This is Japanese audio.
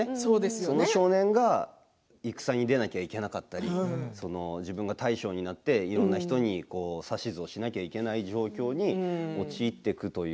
その少年が戦に出なくてはいけなかったり自分が大将になっていろんな人に指図をしなくてはいけない状況に陥っていくという。